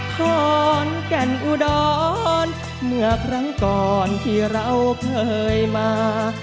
ขอนแก่นอุดรเมื่อครั้งก่อนที่เราเคยมา